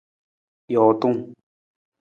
Jootung.